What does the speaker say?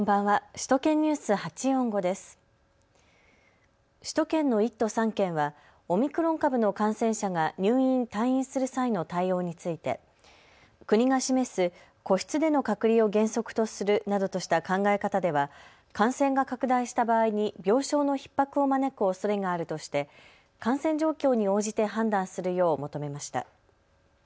首都圏の１都３県はオミクロン株の感染者が入院、退院する際の対応について国が示す個室での隔離を原則とするなどとした考え方では感染が拡大した場合に病床のひっ迫を招くおそれがあるとして感染状況に応じて判断するよう求めました。